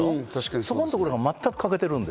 そこのところが全く欠けている。